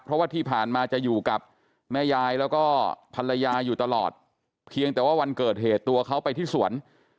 เพราะว่าที่ผ่านมาจะอยู่กับแม่ยายแล้วก็ภรรยาอยู่ตลอดเพียงแต่ว่าวันเกิดเหตุตัวเขาไปที่สวน